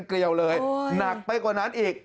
เกลียวเลยหนักไปกว่านั้นอีก